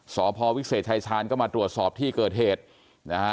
สพวิเศษชายชาญก็มาตรวจสอบที่เกิดเหตุนะฮะ